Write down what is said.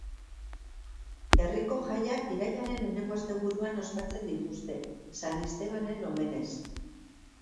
Herriko jaiak irailaren lehenengo asteburuan ospatzen dituzte, San Estebanen omenez.